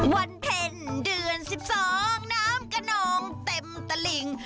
วันเท่นเดือนสิบสองน้ำกระน้องเต็มตะลิ่ง